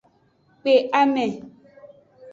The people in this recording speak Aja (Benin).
Kpe ame.